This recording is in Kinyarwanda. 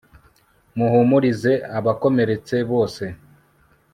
muhumurize abakomeretse bose